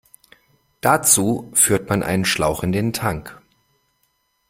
Dazu führt man einen Schlauch in den Tank.